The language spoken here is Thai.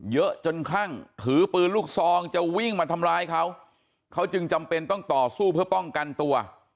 เยอะจนคลั่งถือปืนลูกซองจะวิ่งมาทำร้ายเขาเขาจึงจำเป็นต้องต่อสู้เพื่อป้องกันตัว